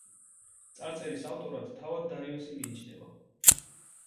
წარწერის ავტორად თავად დარიოსი მიიჩნევა.